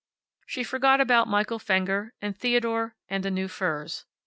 She forgot about Michael Fenger, and Theodore, and the new furs.